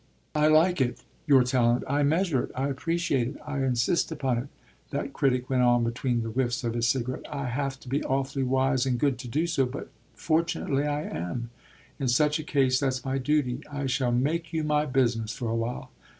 "I like it, your talent; I measure it, I appreciate it, I insist upon it," that critic went on between the whiffs of his cigarette. "I have to be awfully wise and good to do so, but fortunately I am. In such a case that's my duty. I shall make you my business for a while.